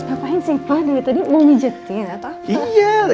apa yang siapa tadi mau ngejekin atau apa